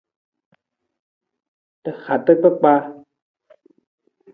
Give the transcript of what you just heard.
Ra hata kpakpaa.